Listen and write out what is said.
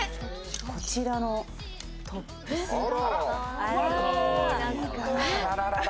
こちらのトップスが。